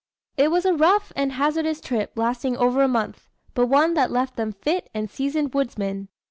It was a rough and hazardous trip lasting over a month, but one that left them fit and seasoned woodsmen.